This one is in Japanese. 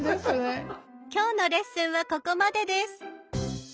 今日のレッスンはここまでです。